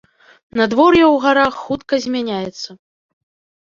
Надвор'е ў гарах хутка змяняецца.